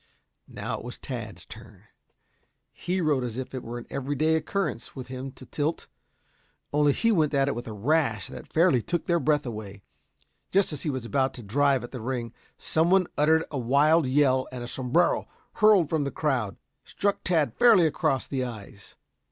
Now it was Tad's turn. He rode as if it were an everyday occurrence with him to tilt, only he went at it with a rash that fairly took their breath away. Just as he was about to drive at the ring, some one uttered a wild yell and a sombrero hurled from the crowd, struck Tad fairly across the eyes.